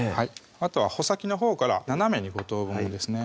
あとは穂先のほうから斜めに５等分ですね